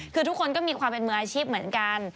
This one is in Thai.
คือทุกคนก็มีความเป็นมืออาชีพเหมือนกัน